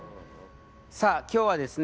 さあ今日はですね